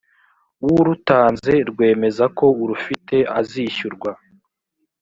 w urutanze rwemeza ko urufite azishyurwa